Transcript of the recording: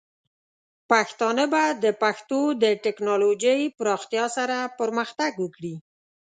پښتانه به د پښتو د ټیکنالوجۍ پراختیا سره پرمختګ وکړي.